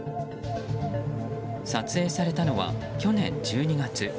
撮影されたのは去年１２月。